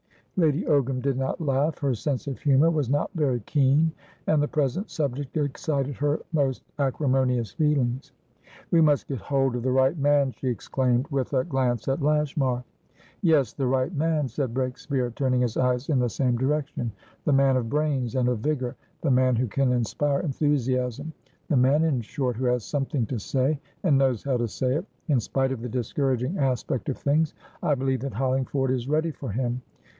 Lady Ogram did not laugh. Her sense of humour was not very keen, and the present subject excited her most acrimonious feelings. "We must get hold of the right man," she exclaimed, with a glance at Lashmar. "Yes, the right man," said Breakspeare, turning his eyes in the same direction. "The man of brains, and of vigour; the man who can inspire enthusiasm; the man, in short, who has something to say, and knows how to say it. In spite of the discouraging aspect of things, I believe that Hollingford is ready for him.